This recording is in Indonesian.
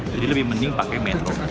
jadi lebih mending pakai metro